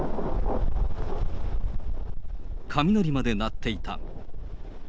雷まで鳴っていた。